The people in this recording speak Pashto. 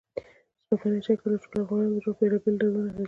ځمکنی شکل د ټولو افغانانو ژوند په بېلابېلو ډولونو اغېزمنوي.